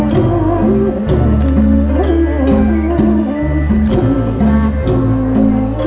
สวัสดีครับ